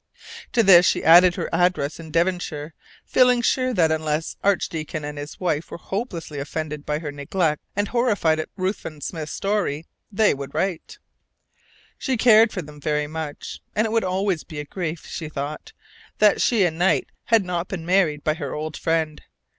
To this she added her address in Devonshire, feeling sure that, unless the Archdeacon and his wife were hopelessly offended by her neglect and horrified at Ruthven Smith's story, they would write. She cared for them very much, and it would always be a grief, she thought, that she and Knight had not been married by her old friend.